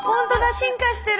進化してる！